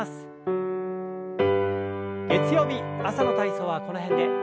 月曜日朝の体操はこの辺で。